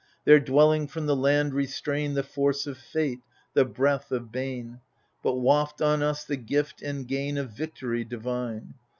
There dwelling, from the land restrain The force of fate, the breath of bane, But waft on us the gift and gain Of Victory divine